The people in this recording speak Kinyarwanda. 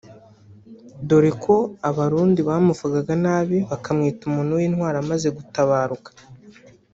dore ko abarundi bamuvugaga nabi bakamwita umuntu w’intwari amaze gutabaruka